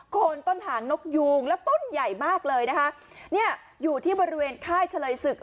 คนต้นหางนกยูงแล้วต้นใหญ่มากเลยนะคะเนี่ยอยู่ที่บริเวณค่ายเฉลยศึก